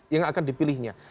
yang akan dipilihnya